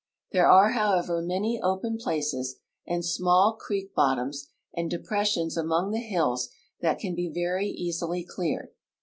There are, however, many open ))laces and small creek lafitoms and depressions among the hills that can be v('ry easily cleared.